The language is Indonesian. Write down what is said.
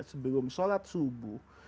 sebelum sholat subuh